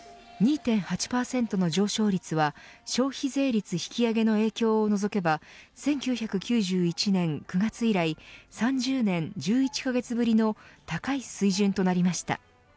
２．８％の上昇率は消費税率引き上げの影響を除けば１９９１年９月以来３０年１１カ月ぶりの高い水準となりました。